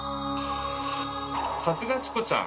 さすがチコちゃん！